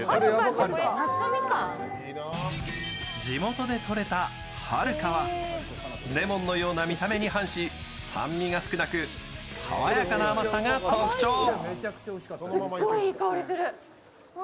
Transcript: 地元でとれたはるかはレモンのような見た目に反し酸味が少なく爽やかな甘さが特徴。